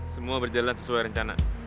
semua berjalan sesuai rencana